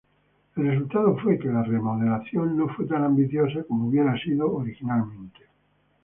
El resultado fue que la remodelación no fue tan ambiciosa como hubiera sido originalmente.